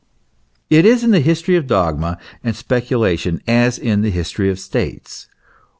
It is in the history of dogma and speculation as in the history of states.